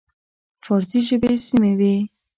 فارسي ژبې سیمې وې.